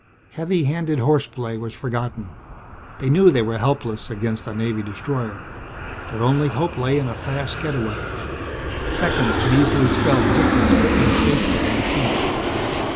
Heavy handed horseplay was forgotten. They knew they were helpless against a Navy destroyer. Their only hope lay in a fast getaway. Seconds could easily spell the difference between safety and defeat.